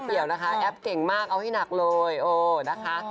เกี่ยวนะคะแอปเก่งมากเอาให้หนักเลยโอ้นะคะ